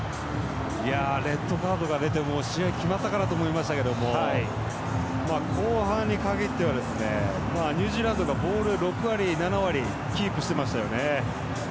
レッドカードが出てもう試合が決まったかなと思いましたけど後半にかけてはニュージーランドがボール６割、７割キープしてましたよね。